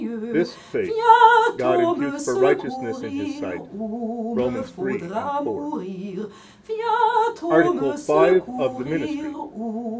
3 This faith God imputes for righteousness in His sight. Rom. 3 and 4. Article V. Of the Ministry.